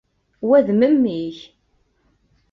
Wa d memmi-k.